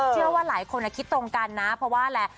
เชื่อว่าหลายคนคิดตรงกันนะเพราะว่าอะไร